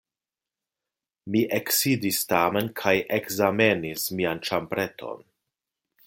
Mi eksidis tamen kaj ekzamenis mian ĉambreton.